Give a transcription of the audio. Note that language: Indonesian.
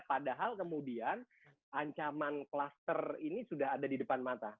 padahal kemudian ancaman klaster ini sudah ada di depan mata